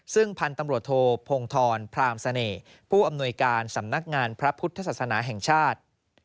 ซึ่งพันธุ์ตำรวจโทพงธรพรามเสน่ห์ผู้อำนวยการสำนักงานพระพุทธศาสนาแห่งชาติ